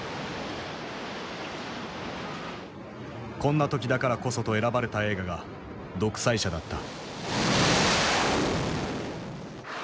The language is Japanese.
こんな時だからこそと選ばれた映画が「独裁者」だった。